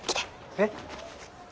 えっ？